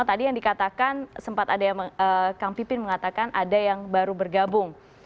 tadi yang dikatakan sempat ada yang kang pipin mengatakan ada yang baru bergabung